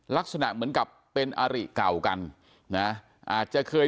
ลักษณะเหมือนกับเป็นอาริเก่ากันนะอาจจะเคย